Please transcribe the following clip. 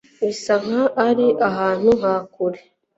bisanka ari ahantu ha kure